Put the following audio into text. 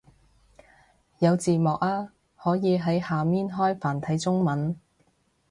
有字幕啊，可以喺下面開繁體中文